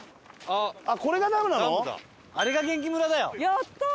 やったー！